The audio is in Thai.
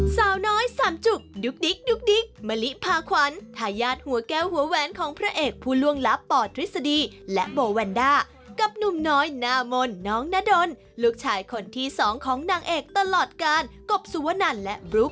สาวน้อยสามจุกดุ๊กดิ๊กดุ๊กดิ๊กมะลิพาขวัญทายาทหัวแก้วหัวแหวนของพระเอกผู้ล่วงลับป่อตฤษฎีและโบวันด้ากับหนุ่มน้อยนามนน้องนาดนลูกชายขนาดน้อยสามจุกดุ๊กดิ๊กดุ๊กดิ๊กมะลิพาขวัญทายาทหัวแก้วหัวแหวนของพระเอกผู้ล่วงลับป่อตฤษฎีและโบวันด้ากั